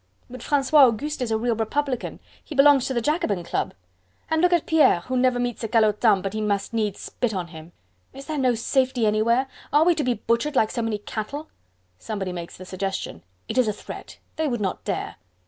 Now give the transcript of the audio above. "But Francois Auguste is a real Republican; he belongs to the Jacobin Club." "And look at Pierre, who never meets a calotin but he must needs spit on him." "Is there no safety anywhere?... are we to be butchered like so many cattle?..." Somebody makes the suggestion: "It is a threat... they would not dare!..."